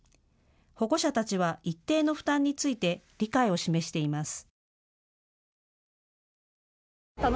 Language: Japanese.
保護者たちは一定の負担について理解を示しています。